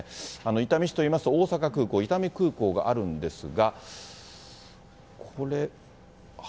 伊丹市といいますと、大阪空港、伊丹空港があるんですが、これ。